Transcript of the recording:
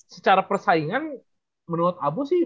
secara persaingan menurut abu sih